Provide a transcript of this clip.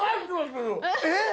えっ！